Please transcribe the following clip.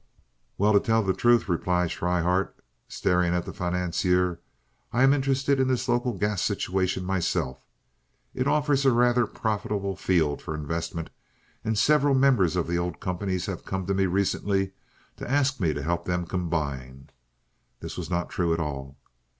"Well, to tell the truth," replied Schryhart, staring at the financier, "I am interested in this local gas situation myself. It offers a rather profitable field for investment, and several members of the old companies have come to me recently to ask me to help them combine." (This was not true at all.)